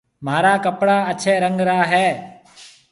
مهارا ڪپڙا اڇهيَ رنگ را هيَ۔